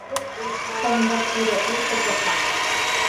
Ombopiro'y tekoha